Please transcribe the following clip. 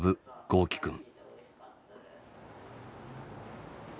豪輝くん。